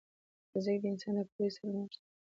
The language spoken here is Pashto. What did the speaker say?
فزیک د انسان د پوهې سرمشق دی.